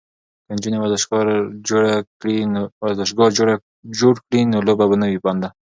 که نجونې ورزشگاه جوړ کړي نو لوبه به نه وي بنده.